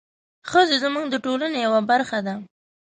ښځې زموږ د ټولنې یوه برخه ده.